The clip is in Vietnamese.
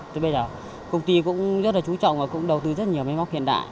tới bây giờ công ty cũng rất là chú trọng và cũng đầu tư rất nhiều máy móc hiện đại